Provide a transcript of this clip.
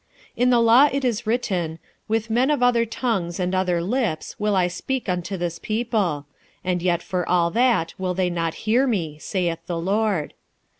46:014:021 In the law it is written, With men of other tongues and other lips will I speak unto this people; and yet for all that will they not hear me, saith the Lord.